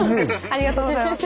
ありがとうございます。